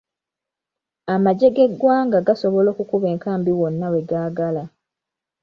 Amagye g'eggwanga gasobola okukuba enkambi wonna we gaagala.